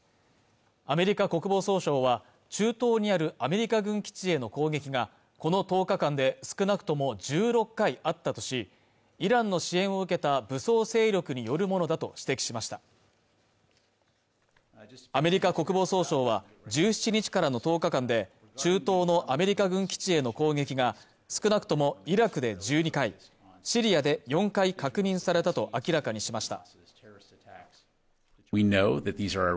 アメリカ国防総省は中東にあるアメリカ軍基地への攻撃がこの１０日間で少なくとも１６回あったとしイランの支援を受けた武装勢力によるものだと指摘しましたアメリカ国防総省は１７日からの１０日間で中東のアメリカ軍基地への攻撃が少なくともイラクで１２回シリアで４回確認されたと明らかにしました